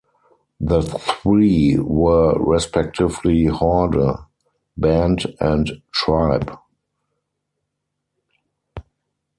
The three were respectively 'horde,' 'band', and 'tribe'.